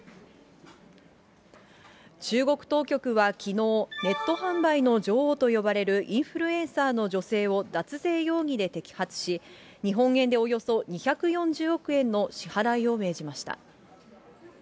中国当局はきのう、ネット販売の女王と呼ばれるインフルエンサーの女性を脱税容疑で摘発し、日本円でおよそ２４０億円の支払いを命じました。